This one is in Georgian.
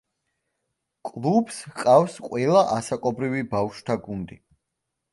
კლუბს ჰყავს ყველა ასაკობრივი ბავშვთა გუნდი.